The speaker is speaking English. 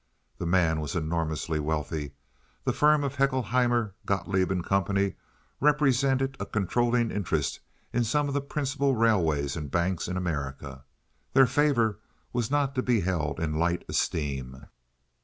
The man was enormously wealthy. The firm of Haeckelheimer, Gotloeb & Co. represented a controlling interest in some of the principal railways and banks in America. Their favor was not to be held in light esteem.